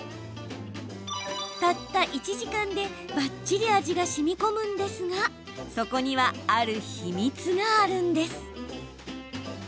たった１時間でばっちり味がしみこむんですがそこには、ある秘密があるんです。